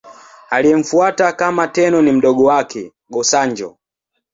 Aliyemfuata kama Tenno ni mdogo wake, Go-Sanjo.